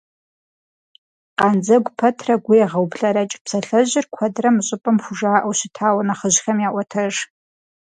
«Къандзэгу пэтрэ гу егъэублэрэкӀ» псалъэжьыр куэдрэ мы щӀыпӀэм хужаӀэу щытауэ нэхъыжьхэм яӀуэтэж.